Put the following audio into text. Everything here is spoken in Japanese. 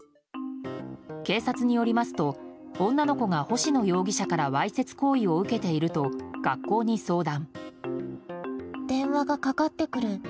警察によりますと女の子が星野容疑者からわいせつ行為を受けていると学校に相談。